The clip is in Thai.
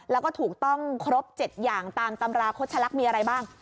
แล้วก็ถูกต้องครบ๗อย่างตามตำราคดชะลักษณ์มีอะไรบ้าง